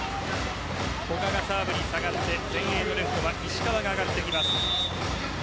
古賀がサーブに下がって前衛レフトは石川があがってきます。